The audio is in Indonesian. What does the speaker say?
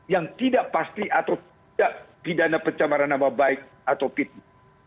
yang tidak pasti atau tidak pidana pencemaran nama baik atau pitbu